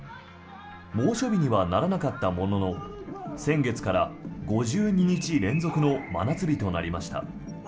猛暑日にはならなかったものの先月から５２日連続の真夏日となりました。